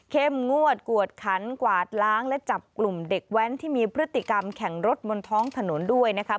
งวดกวดขันกวาดล้างและจับกลุ่มเด็กแว้นที่มีพฤติกรรมแข่งรถบนท้องถนนด้วยนะครับ